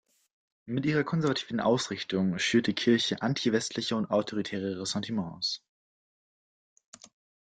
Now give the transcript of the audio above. Mit ihrer konservativen Ausrichtung schürt die Kirche antiwestliche und autoritäre Ressentiments.